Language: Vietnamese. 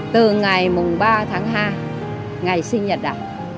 từ ngày ba tháng hai ngày sinh nhật đã